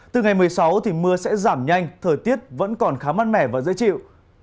từ ngày một mươi sáu thì mưa sẽ giảm nhanh thời tiết vẫn còn khá mát mẻ và dễ chịu